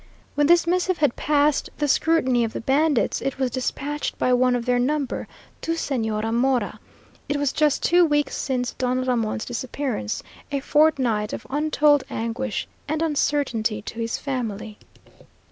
When this missive had passed the scrutiny of the bandits, it was dispatched by one of their number to Señora Mora. It was just two weeks since Don Ramon's disappearance, a fortnight of untold anguish and uncertainty to his family.